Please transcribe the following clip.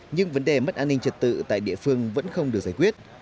nhưng vấn đề mất an ninh trật tự tại địa phương vẫn không được giải quyết